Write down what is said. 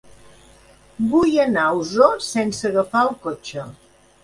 Vull anar a Osor sense agafar el cotxe.